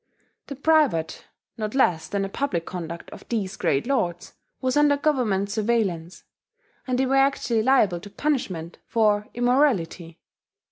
The private, not less than the public conduct of these great lords, was under Government surveillance; and they were actually liable to punishment for immorality!